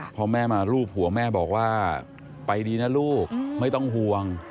พอแม่มารูปหัวแม่บอกว่าไปดีนะลูกไม่ต้องห่วง